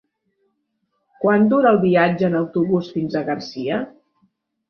Quant dura el viatge en autobús fins a Garcia?